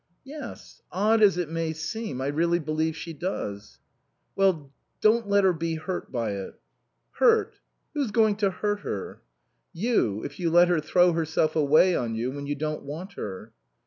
"Yes. Odd as it may seem, I really believe she does." "Well don't let her be hurt by it." "Hurt? Who's going to hurt her?" "You, if you let her throw herself away on you when you don't want her."